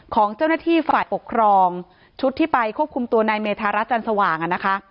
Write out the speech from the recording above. ของเจ้าหน้าที่ฝ่ายปกครองชุดที่ไปควบคุมตัวนายเมธารัฐจันทร์สว่างอ่ะนะคะ